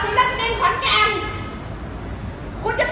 คุณจะตรวจพวกฉันยังไงมาตรวจเนี้ยยืนด้วยหมอหาแยวมา